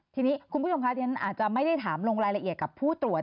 ทีนี้คุณผู้ชมคะที่ฉันอาจจะไม่ได้ถามลงรายละเอียดกับผู้ตรวจ